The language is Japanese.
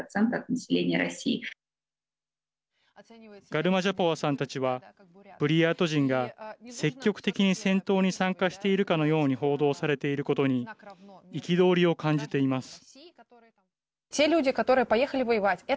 ガルマジャポワさんたちはブリヤート人が積極的に戦闘に参加しているかのように報道されていることに憤りを感じています。